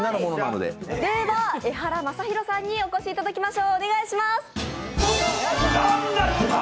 ではエハラマサヒロさんにお越しいただきましょう。